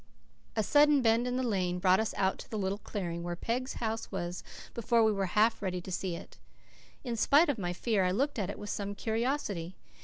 A sudden bend in the lane brought us out to the little clearing where Peg's house was before we were half ready to see it. In spite of my fear I looked at it with some curiosity.